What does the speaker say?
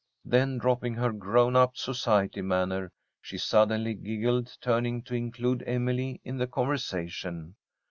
Then, dropping her grown up society manner, she suddenly giggled, turning to include Emily in the conversation.